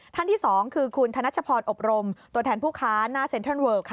ท่านที่๒คือคุณธนชพอร์ตอบรมตัวแทนผู้ค้าหน้าเซ็นเทิร์นเวิร์กค่ะ